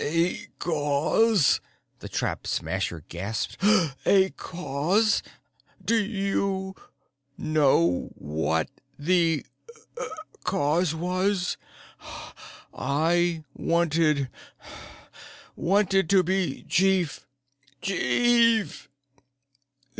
"A cause?" the Trap Smasher gasped. "A cause? Do you know do you know what the cause was? I wanted wanted to be chief. Chief.